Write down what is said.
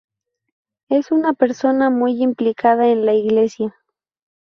Es una persona muy implicada en la iglesia.